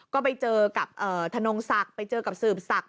ก็ไปเจอกับธนงศักดิ์ไปเจอกับสืบศักดิ